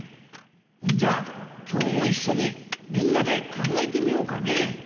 んじゃ今日もいっしょにみんなで考えてみようかね？